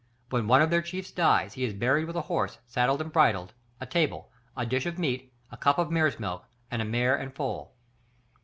When one of their chiefs dies he is buried with a horse saddled and bridled, a table, a dish of meat, a cup of mare's milk, and a mare and foal.